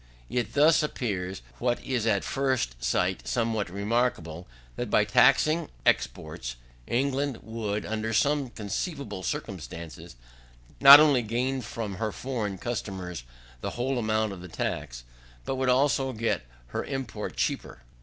It thus appears, what is at first sight somewhat remarkable, that, by taxing her exports, England would, under some conceivable circumstances, not only gain from her foreign customers the whole amount of the tax, but would also get her imports cheaper.